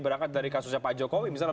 berangkat dari kasusnya pak jokowi misalnya